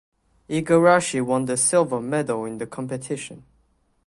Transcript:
Igarashi won the silver medal in the competition.